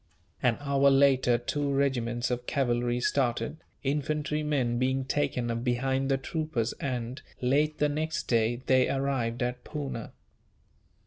An hour later two regiments of cavalry started, infantry men being taken up behind the troopers and, late the next day, they arrived at Poona.